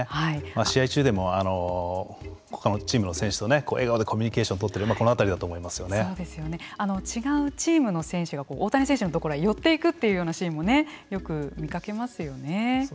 試合中でも他のチームの選手と笑顔でコミュニケーションを取っている違うチームの選手が大谷選手のところへ寄っていくというシーンもよく見かけますよね。